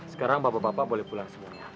sekarang bapak bapak boleh pulang semuanya